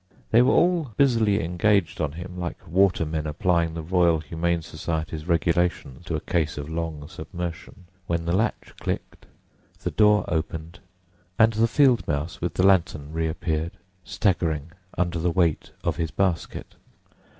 They were all busily engaged on him like watermen applying the Royal Humane Society's regulations to a case of long submersion, when the latch clicked, the door opened, and the field mouse with the lantern reappeared, staggering under the weight of his basket.